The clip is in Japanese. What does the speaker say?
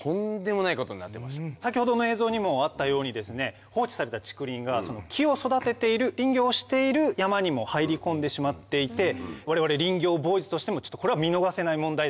先ほどの映像にもあったように放置された竹林が木を育てている林業をしている山にも入り込んでしまっていて我々林業ボーイズとしてもこれは見逃せない問題だなと。